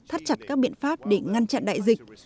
thắt chặt các biện pháp để ngăn chặn đại dịch